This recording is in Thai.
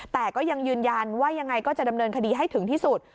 แต่ก็ยังยืนยันว่ายังไงก็จะดำเนินคดีให้ถึงที่สุด